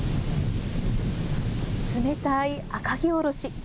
冷たい赤城おろし。